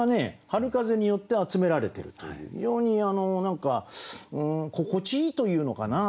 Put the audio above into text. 春風によって集められてるという非常に何か心地いいというのかな。